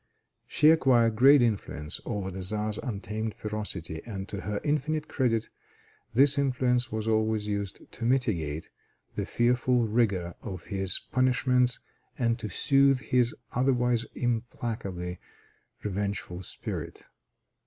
She acquired great influence over the Czar's untamed ferocity, and, to her infinite credit, this influence was always used to mitigate the fearful rigor of his punishments, and to soothe his otherwise implacably revengeful spirit.